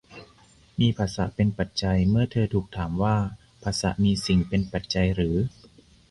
มีผัสสะเป็นปัจจัย เมื่อเธอถูกถามว่าผัสสะมีสิ่งเป็นปัจจัยหรือ